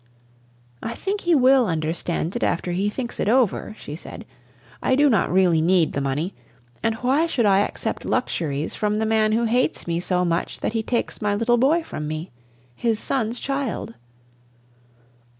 "I think he will understand it after he thinks it over," she said. "I do not really need the money, and why should I accept luxuries from the man who hates me so much that he takes my little boy from me his son's child?"